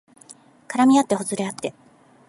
絡みあってほつれあって